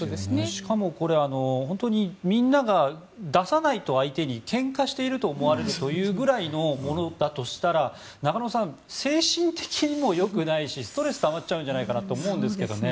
しかもこれ、本当にみんなが相手に出さないとけんかしていると思われるというぐらいのものだとしたら中野さん、精神的にもよくないしストレスがたまっちゃうのかと思うんですが。